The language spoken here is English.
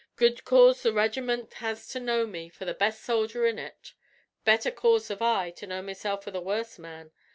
Good cause the reg'ment has to know me for the best soldier in ut. Better cause have I to know mesilf for the worst man.